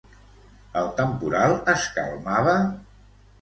El temporal es calmava?